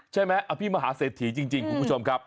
ใช่ไหมอภิมฮาเศรษฐีจริงคุณผู้ชมครับ